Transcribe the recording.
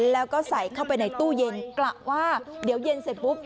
แล้วก็ใส่เข้าไปในตู้เย็นกะว่าเดี๋ยวเย็นเสร็จปุ๊บ